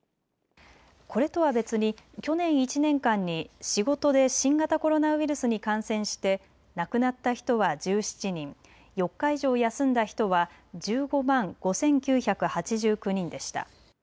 これとは別に去年１年間に仕事で新型コロナウイルスに感染して亡くなった人は１７人、４日以上休んだ人は１５万５９８９人でした。